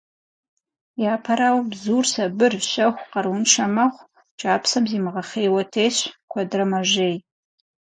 Япэрауэ, бзур сабыр, щэху, къарууншэ мэхъу, кӏапсэм зимыгъэхъейуэ тесщ, куэдрэ мэжей.